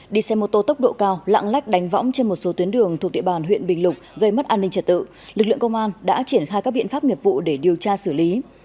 đi xe mô tô tốc độ cao lạng lách đánh võng trên một số tuyến đường thuộc địa bàn huyện bình lục gây mất an ninh trật tự lực lượng công an đã triển khai các biện pháp nghiệp vụ để điều tra xử lý